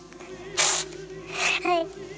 はい。